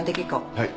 はい。